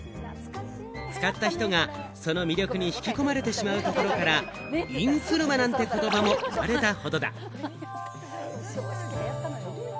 使った人がその魅力に引き込まれてしまうところから、インク沼なんて言葉も生まれたほどだ。